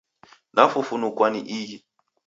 Nafufunukwa ni ighi!